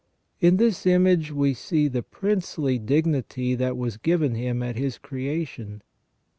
In this image we see the princely dignity that was given him at his creation.